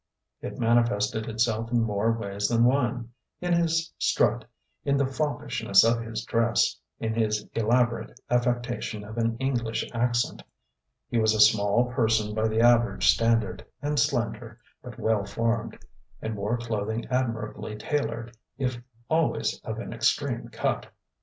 It manifested itself in more ways than one: in his strut, in the foppishness of his dress, in his elaborate affectation of an English accent. He was a small person by the average standard, and slender, but well formed, and wore clothing admirably tailored if always of an extreme cut.